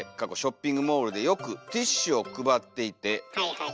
はいはい。